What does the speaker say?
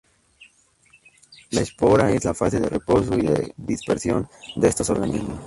La espora es la fase de reposo y de dispersión de estos organismos.